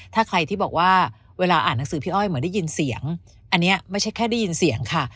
ถ้าใครที่บอกว่าเวลาอ่านหนังสือพี่อ้อยเหมือนได้ยินเสียงอันนี้ไม่ใช่แค่ได้ยินเสียงค่ะ